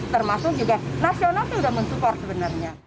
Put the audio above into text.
termasuk juga nasional sudah mensupport sebenarnya